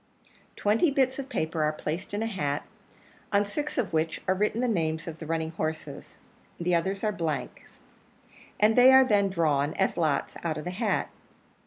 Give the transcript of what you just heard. Twenty bits of paper are placed in a hat, on six of which are written the names of the running horses the others are blanks and they are then drawn, as lots, out of the hat.